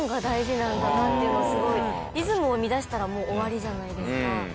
リズムを乱したらもう終わりじゃないですか。